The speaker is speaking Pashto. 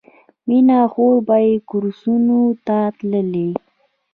مینه او خور به یې کورسونو ته تللې